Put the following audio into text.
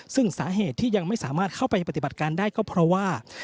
ซึ่งสาเหตุที่ยังไม่สามารถเข้าไปปฏิบัติการได้ก็เพราะว่า